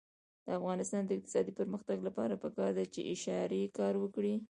د افغانستان د اقتصادي پرمختګ لپاره پکار ده چې اشارې کار وکړي.